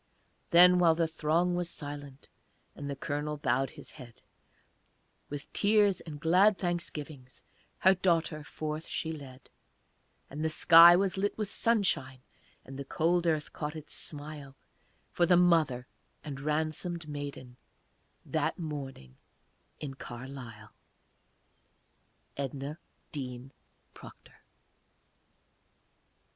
Then, while the throng was silent, And the Colonel bowed his head, With tears and glad thanksgivings Her daughter forth she led; And the sky was lit with sunshine, And the cold earth caught its smile For the mother and ransomed maiden, That morning in Carlisle. EDNA DEAN PROCTOR.